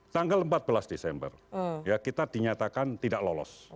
tanggal empat belas desember kita dinyatakan tidak lolos